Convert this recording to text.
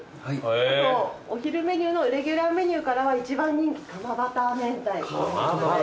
あとお昼メニューのレギュラーメニューからは一番人気釜バター明太。